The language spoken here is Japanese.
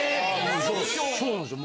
そうなんですよ。